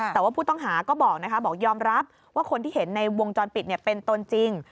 แต่ว่าผู้ต้องหาก็บอกนะคะบอกยอมรับว่าคนที่เห็นในวงจรปิดเป็นตนจริง